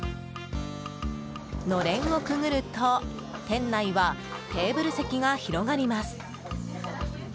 のれんをくぐると店内はテーブル席が広がります。